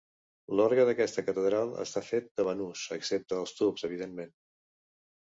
L'orgue d'aquesta catedral està fet de banús, excepte els tubs evidentment.